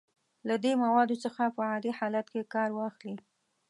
له دې موادو څخه په عادي حالت کې کار واخلئ.